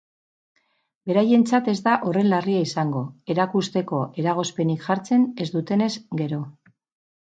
Beraientzat ez da horren larria izango, erakusteko eragozpenik jartzen ez dutenez gero.